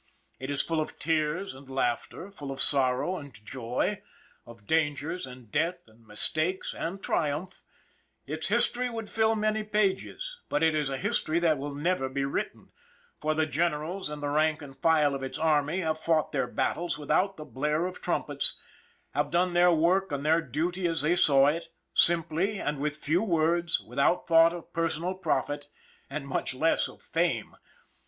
It is full of tears and laughter, full of sorrow and joy, of dangers and death and mistakes and triumph its history would fill many pages, but it is a history that will never be written, for the generals and the rank and file of its army have fought their battles without the blare of trumpets, have done their work and their duty as they saw it, simply and with few words, without thought of per sonal profit and, much less, of fame.